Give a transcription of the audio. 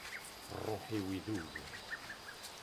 Ṛṛuḥ-iw idub.